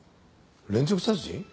連続殺人？